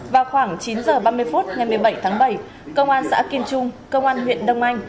vào khoảng chín h ba mươi phút ngày một mươi bảy tháng bảy công an xã kim trung công an huyện đông anh